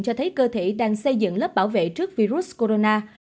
cho thấy cơ thể đang xây dựng lớp bảo vệ trước virus corona